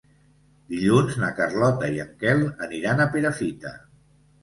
Dilluns na Carlota i en Quel aniran a Perafita.